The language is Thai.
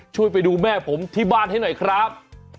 ช่วยไปดูแม่ผมที่บ้านให้หน่อยครับ